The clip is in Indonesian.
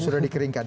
sudah di keringkan